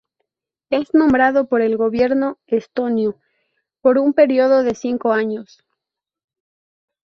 Es nombrado por el Gobierno estonio por un período de cinco años.